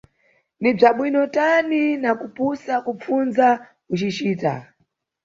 Ni bzabwino tani na kupusa kupfunza ucicita!